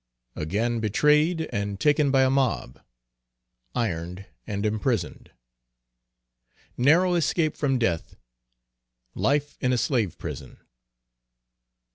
Again betrayed, and taken by a mob; ironed and imprisoned. Narrow escape from death. Life in a slave prison.